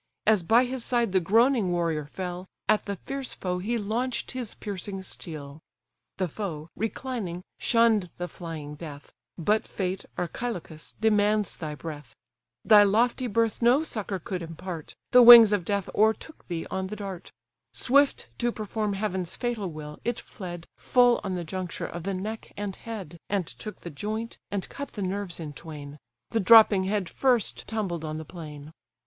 As by his side the groaning warrior fell, At the fierce foe he launch'd his piercing steel; The foe, reclining, shunn'd the flying death; But fate, Archilochus, demands thy breath: Thy lofty birth no succour could impart, The wings of death o'ertook thee on the dart; Swift to perform heaven's fatal will, it fled Full on the juncture of the neck and head, And took the joint, and cut the nerves in twain: The dropping head first tumbled on the plain.